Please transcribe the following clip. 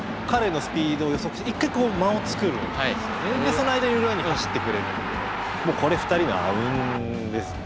その間に裏に走ってくれるんでもうこれ２人の阿吽ですね。